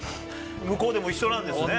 向こうでも一緒なんですね。